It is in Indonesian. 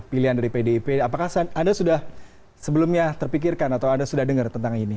pilihan dari pdip apakah anda sudah sebelumnya terpikirkan atau anda sudah dengar tentang ini